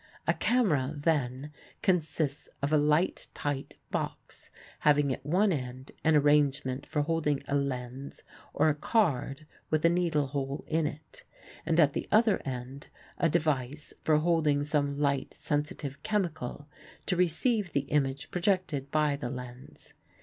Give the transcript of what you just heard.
A camera, then, consists of a light tight box having at one end an arrangement for holding a lens or a card with a needle hole in it, and at the other end a device for holding some light sensitive chemical to receive the image projected by the lens.